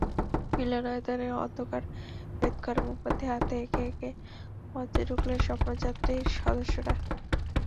মিলনায়তনের অন্ধকার ভেদ করে মোমবাতি হাতে একে একে মঞ্চে ঢুকলেন স্বপ্নযাত্রীর সদস্যরা।